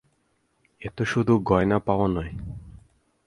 এ তো শুধু গয়না পাওয়া নয়।